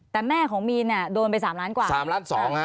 แต่แม่ของมีนโดนไป๓ล้านกว่าครับ๓๒ล้าน